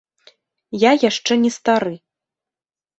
Я яшчэ не стары.